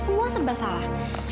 semua serba salah